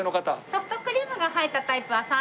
ソフトクリームが入ったタイプは３種類です。